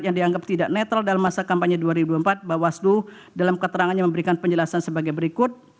yang dianggap tidak netral dalam masa kampanye dua ribu dua puluh empat bawaslu dalam keterangannya memberikan penjelasan sebagai berikut